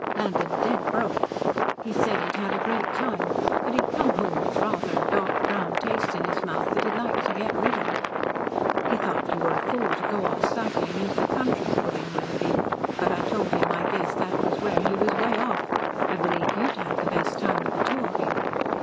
Landed dead broke. He said he'd had a great time, but he'd come home with rather a dark brown taste in his mouth, that he'd like to get rid of." "He thought you were a fool to go off cycling into the country," put in Wetherbee, "but I told him I guessed that was where he was 'way off. I believed you'd had the best time of the two of you."